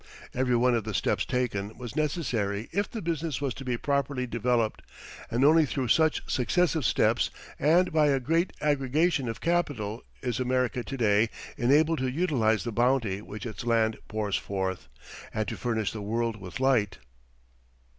Everyone of the steps taken was necessary if the business was to be properly developed, and only through such successive steps and by a great aggregation of capital is America to day enabled to utilize the bounty which its land pours forth, and to furnish the world with light.